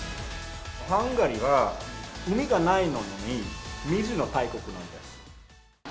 ハンガリーは海がないのに水の大国なんです。